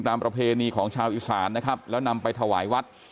ประเพณีของชาวอีสานนะครับแล้วนำไปถวายวัด